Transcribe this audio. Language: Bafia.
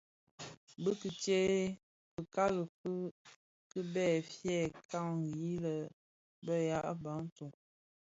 Bi kitsèè fikali fi kibèè, fyè kpaghi lè bë ya Bantu (Bafia).